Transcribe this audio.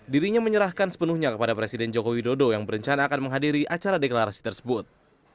dirinya menyerahkan sepenuhnya kepada presiden joko widodo yang berencana akan menghadiri acara deklarasi tersebut